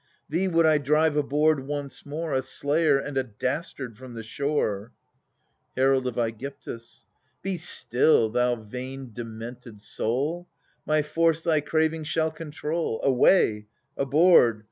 Thee would I drive aboard once more, A slayer and a dastard, from the shore ! Herald of ^gyptus. Be still, thou vain demented soul; My force thy craving shall control. Away, aboard